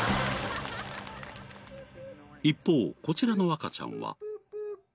一方こちらの赤ちゃんは。